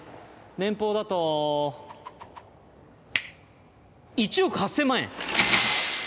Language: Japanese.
年俸だと１億８千万円！